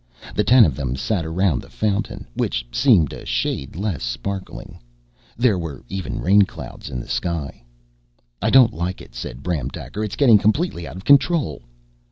The ten of them sat around the fountain, which seemed a shade less sparkling. There were even rainclouds in the sky. "I don't like it," said Bram Daker. "It's getting completely out of control."